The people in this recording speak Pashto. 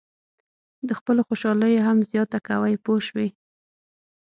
د خپلو خوشالیو هم زیاته کوئ پوه شوې!.